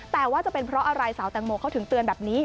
แต่ว่าจะเป็นเพราะอะไรสาวแตงโมเขาถึงเตือนแบบนี้